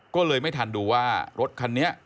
ก็เลยไม่ทันดูว่ารถคันนี้